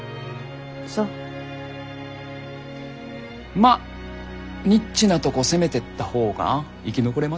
まあニッチなとこ攻めてった方が生き残れますから。